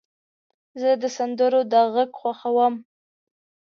زه د سندرو د غږ خوښوم.